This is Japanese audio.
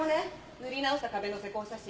塗り直した壁の施工写真。